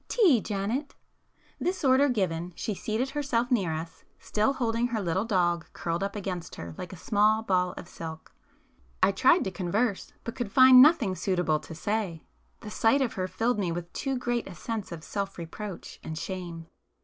"Tea, Janet." [p 226]This order given, she seated herself near us, still holding her little dog curled up against her like a small ball of silk. I tried to converse, but could find nothing suitable to say,—the sight of her filled me with too great a sense of self reproach and shame.